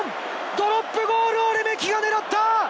ドロップゴールをレメキが狙った！